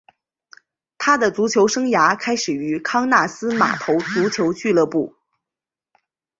他的足球生涯开始于康纳斯码头足球俱乐部。